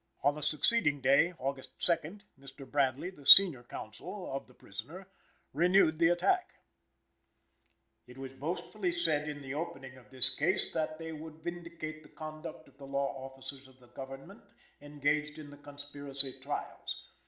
On the succeeding day, August 2nd, Mr. Bradley, the senior counsel of the prisoner, renewed the attack: "It was boastfully said in the opening of this case that they would vindicate the conduct of the law officers of the Government engaged in the conspiracy trials.